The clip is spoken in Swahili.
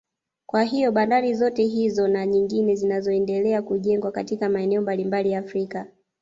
Kwa hiyo bandari zote hizo na nyingine zinazoendelea kujengwa katika maeneo mbalimbali Afrika